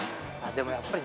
でもやっぱり。